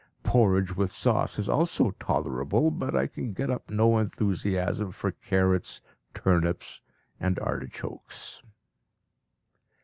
Porridge with sauce is also tolerable, but I can get up no enthusiasm for carrots, turnips, and artichokes."